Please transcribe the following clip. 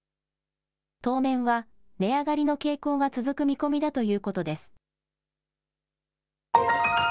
当面は値上がりの傾向が続く見込みだということです。